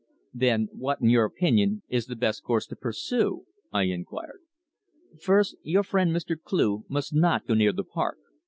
"Then what, in your opinion, is the best course to pursue?" I inquired. "First, your friend Mr. Cleugh must not go near the park.